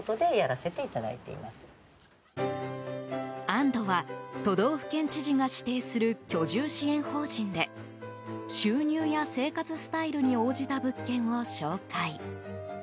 あんどは、都道府県知事が指定する居住支援法人で収入や生活スタイルに応じた物件を紹介。